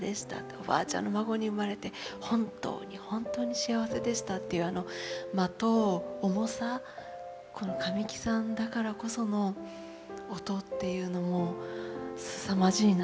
「おばあちゃんの孫に生まれて本当に本当に幸せでした」というあの間と重さこの神木さんだからこその音というのもすさまじいなと。